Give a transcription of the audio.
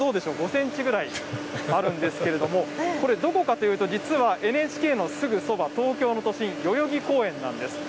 ５センチぐらいあるんですけれども、これ、どこかというと、実はＮＨＫのすぐそば、東京の都心、代々木公園なんです。